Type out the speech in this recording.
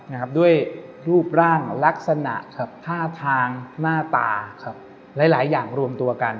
นะครับด้วยรูปร่างลักษณะครับท่าทางหน้าตาครับหลายหลายอย่างรวมตัวกัน